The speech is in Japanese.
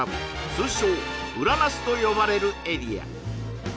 通称・裏那須と呼ばれるエリア